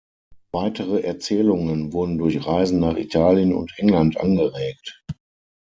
Weitere Erzählungen wurden durch Reisen nach Italien und England angeregt.